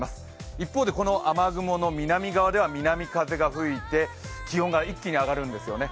一方で、この雨雲の南側では南風が吹いて気温が一気に上がるんですよね。